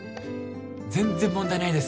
全然問題ないです。